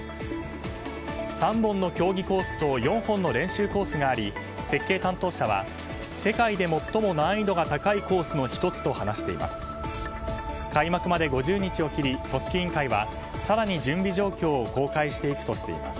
３本の競技コースと４本の練習コースがあり設計担当者は世界で最も難易度が高いコースの１つと話しています。